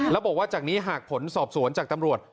แล้วบอกว่าจากนี้หากผลสอบสวนจากตำรวจ